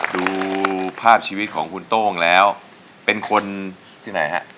ดูภาพชีวิตของคุณโต้งแล้วเป็นคนที่ไหนฮะ